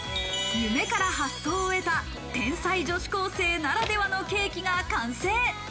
夢から発想を得た天才女子高生ならではのケーキが完成。